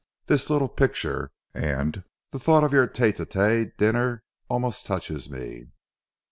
This little picture, and the thought of your tete a tete dinner, almost touches me."